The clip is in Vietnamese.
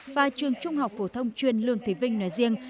và trường trung học phổ thông chuyên lương thế vinh nói riêng